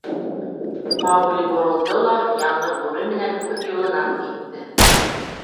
Маугли боролдо ла Яңғыҙ Бүре менән үҙ юлынан китте.